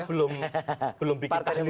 bukan belum bikin tahlilan untuk kmp